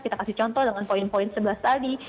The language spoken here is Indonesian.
kita kasih contoh dengan poin poin sebelas tadi